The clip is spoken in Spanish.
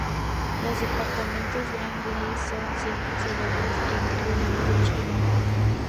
Los departamentos Gran Clase son simples o dobles e incluyen ducha y lavabo.